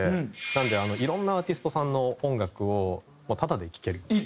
なのでいろんなアーティストさんの音楽をタダで聴けるっていう。